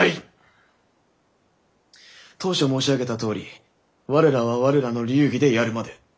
当初申し上げたとおり我らは我らの流儀でやるまで。